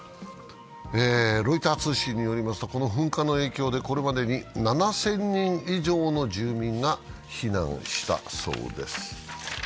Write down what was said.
ロイター通信によりますとこの噴火の影響でこれまでに７０００人以上の住人が避難したそうです。